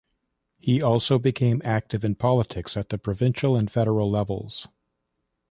He also became active in politics at the provincial and federal levels.